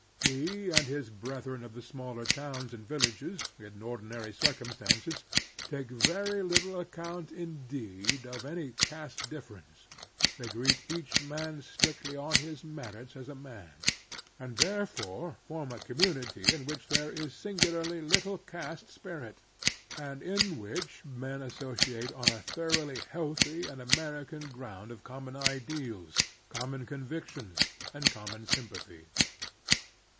He and his brethren of the smaller towns and villages, in ordinary circum stances, take very little accotmt, indeed, of any A Political Factor 77 caste difference ; they greet each man strictly on his merits as a man, and therefore form a commu nity in which there is singularly little caste spirit, and in which men associate on a thoroughly healthy and American groimd of common ideals, common convictions, and common sympathies.